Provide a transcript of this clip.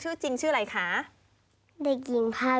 ปหนึ่งค่ะ